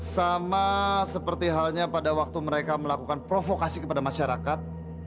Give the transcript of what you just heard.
sama seperti halnya pada waktu mereka melakukan provokasi kepada masyarakat